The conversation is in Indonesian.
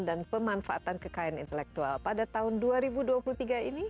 dan pemanfaatan kekayaan intelektual pada tahun dua ribu dua puluh tiga ini